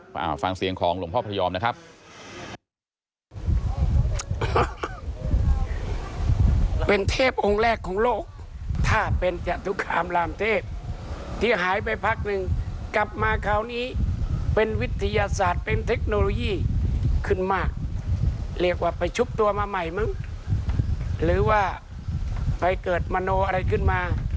ฟังเสียงของหลวงพ่อพระยอมนะครับ